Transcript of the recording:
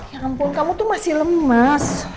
ya ampun kamu tuh masih lemas